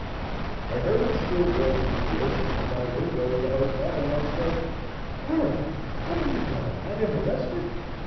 I heard the shrill voices of the urchins from my window in the hotel and I said: "Bera, what have you done had him arrested?"